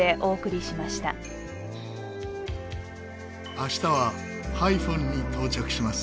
明日はハイフォンに到着します。